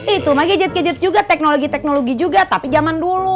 itu mah gadget gadget juga teknologi teknologi juga tapi zaman dulu